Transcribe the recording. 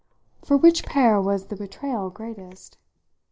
For which pair was the betrayal greatest?